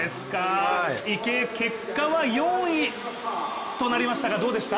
池江、結果は４位となりましたが、どうでした？